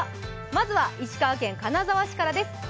まずは石川県金沢市からです。